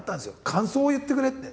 感想を言ってくれって。